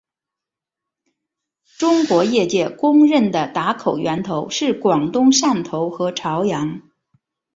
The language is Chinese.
中国业界公认的打口源头是广东汕头的潮阳。